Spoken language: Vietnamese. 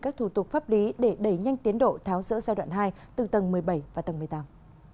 các thủ tục pháp lý để đẩy nhanh tiến độ tháo rỡ giai đoạn hai từ tầng một mươi bảy và tầng một mươi tám